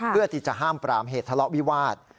เพื่อที่จะห้ามปรามเหตุทะเลาะวิวาส